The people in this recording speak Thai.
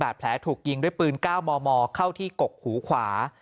แผลถูกยิงด้วยปืน๙มมเข้าที่กกหูขวา